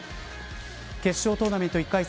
決勝トーナメント１回戦